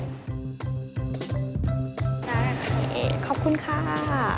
ได้ค่ะขอบคุณค่ะ